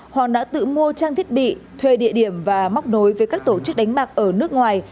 hoàng đã tự mua trang thiết bị thuê địa điểm và móc nối với các tổ chức đánh bạc ở nước ngoài